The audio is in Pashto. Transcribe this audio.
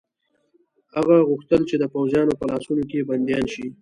هغه غوښتل چې د پوځیانو په لاسونو کې بندیان شي.